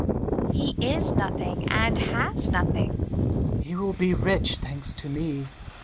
He is nothing and has nothing. Hummel. He will be rich, thanks to me.